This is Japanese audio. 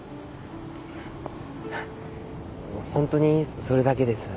ホントにそれだけです。